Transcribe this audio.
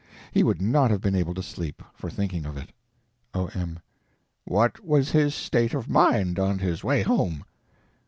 He would not have been able to sleep, for thinking of it. O.M. What was his state of mind on his way home?